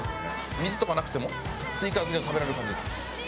水とかなくても次から次へと食べられる感じですね。